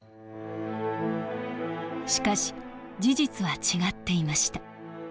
しかし事実は違っていました。